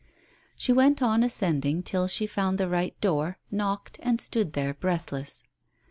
She went on ascending till she found the right door, knocked, and stood there, breathless.